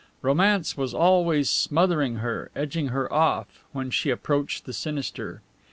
Romance was always smothering her, edging her off, when she approached the sinister.